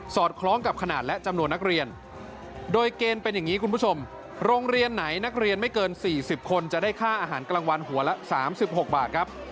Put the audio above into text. คล้องกับขนาดและจำนวนนักเรียนโดยเกณฑ์เป็นอย่างนี้คุณผู้ชมโรงเรียนไหนนักเรียนไม่เกิน๔๐คนจะได้ค่าอาหารกลางวันหัวละ๓๖บาทครับ